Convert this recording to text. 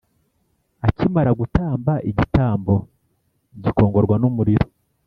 Akimara gutamba igitambo gikongorwa n umuriro